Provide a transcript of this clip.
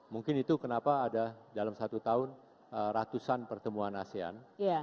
mungkin itu kenapa ada dalam satu tahun ratusan pertemuan asean